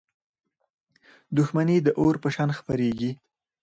• دښمني د اور په شان خپرېږي.